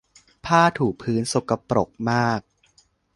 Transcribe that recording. ผ้าถูพื้นสกปรกมาก